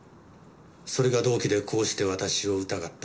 それが動機でこうして私を疑った。